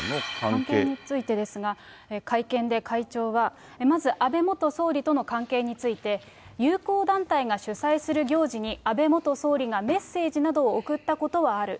関係についてですが、会見で会長は、まず安倍元総理との関係について、友好団体が主催する行事に、安倍元総理がメッセージなどを送ったことはある。